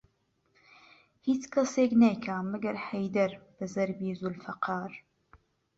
هیچ کەسێک نایکا مەگەر حەیدەر بە زەربی زولفەقار